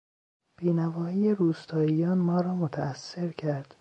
بینوایی روستائیان ما را متاثر کرد.